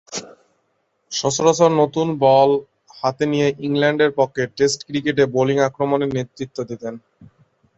সচরাচর নতুন বল হাতে নিয়ে ইংল্যান্ডের পক্ষে টেস্ট ক্রিকেটে বোলিং আক্রমণে নেতৃত্ব দিতেন।